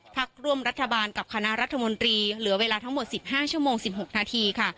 พักร่วมรัฐบาลกับคณะรัฐมนตรีเหลือเวลาทั้งหมด๑๕ชั่วโมง๑๖นาทีค่ะ